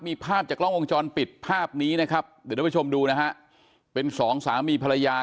มีภาพจากกล้องวงจรปิดภาพนี้นะครับเดี๋ยวท่านผู้ชมดูนะฮะเป็นสองสามีภรรยา